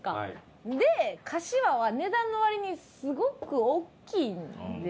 でかしわは値段の割にすごく大きいんですよ。